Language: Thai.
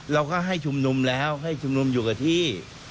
เราก็ให้ชุมนุมแล้วให้ชุมนุมอยู่กับที่